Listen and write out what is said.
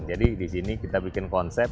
jadi di sini kita bikin konsen